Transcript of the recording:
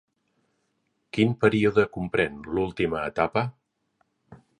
Quin període comprèn l'última etapa?